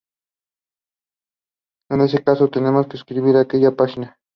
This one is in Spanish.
En este caso, "tenemos que escribir aquella página al disco.